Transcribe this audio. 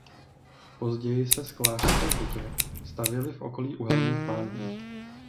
Později se sklářské hutě stavěly v okolí uhelných pánví.